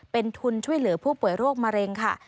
เป็นทุนช่วยเหลือผู้ป่วยโรคมะเร็งค่ะ